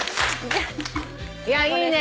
いやいいね！